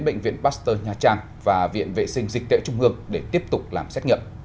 bệnh viện pasteur nha trang và viện vệ sinh dịch tễ trung ương để tiếp tục làm xét nghiệm